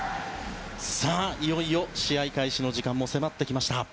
いよいよ試合開始の時間も迫ってきました。